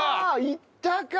いったか。